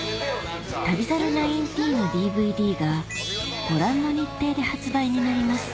『旅猿１９』のＤＶＤがご覧の日程で発売になります